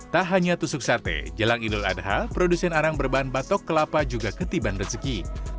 tak hanya tusuk sate jelang idul adha produsen arang berbahan batok kelapa juga ketiban rezeki